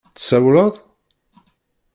Tsawleḍ?